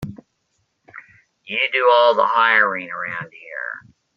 You do all the hiring around here.